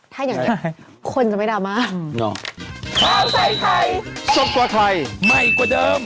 ถ้าอย่างนี้คนจะไม่ดาวมากอ๋อ